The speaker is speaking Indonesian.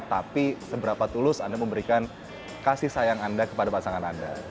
tapi seberapa tulus anda memberikan kasih sayang anda kepada pasangan anda